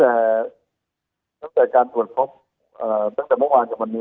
แต่ตั้งแต่การตรวจพบตั้งแต่เมื่อวานจากวันนี้